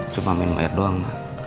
cuma minum air doang